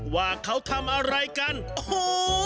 ว่าเขาทำอะไรกันโอ้โห